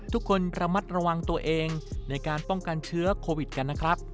ทุกคนระมัดระวังตัวเองในการป้องกันเชื้อโควิดกันนะครับ